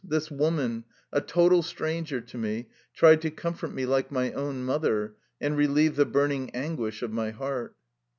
This woman, a total stranger to me, tried to comfort me like my own mother, and relieve the burning anguish of my heart.